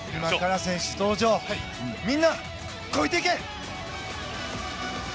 みんな超えていけ！